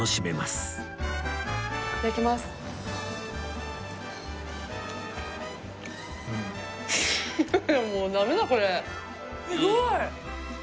すごい！